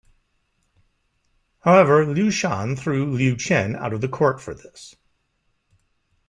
However, Liu Shan threw Liu Chen out of the court for this.